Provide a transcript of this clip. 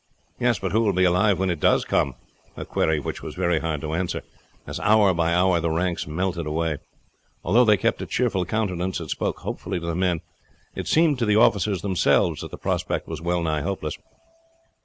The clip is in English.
"Yes, but who will be alive when it does come?" a query which was very hard to answer, as hour by hour the ranks melted away. Although they kept a cheerful countenance and spoke hopefully to the men, it seemed to the officers themselves that the prospect was well nigh hopeless.